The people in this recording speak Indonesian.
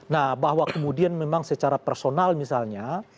nah bahwa kemudian memang secara personal misalnya